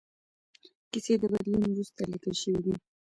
کیسې د بدلون وروسته لیکل شوې دي.